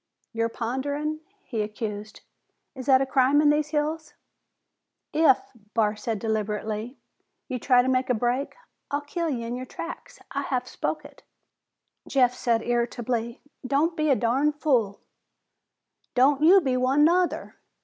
"You're ponderin'," he accused. "Is that a crime in these hills?" "If," Barr said deliberately, "you try to make a break, I'll kill ye in your tracks. I have spoke it." Jeff said irritably, "Don't be a darn fool!" "Don't you be one, nuther.